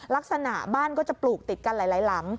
ลักษณะบ้านก็จะปลูกติดกันหลายหลัง